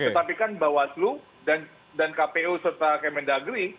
tetapi kan bawaslu dan kpu serta kementerian negeri